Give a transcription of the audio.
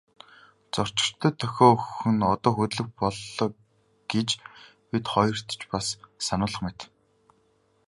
Зорчигчдод дохио өгөх нь одоо хөдлөх боллоо гэж бид хоёрт ч бас сануулах мэт.